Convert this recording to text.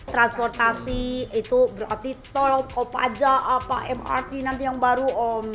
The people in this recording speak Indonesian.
transportasi itu berarti tol kopaja apa mrt nanti yang baru om